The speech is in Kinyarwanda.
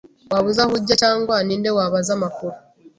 Waba uzi aho ujya cyangwa ninde wabaza amakuru?